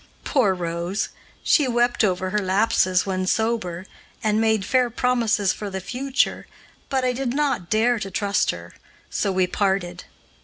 Poor Rose! she wept over her lapses when sober, and made fair promises for the future, but I did not dare to trust her, so we parted.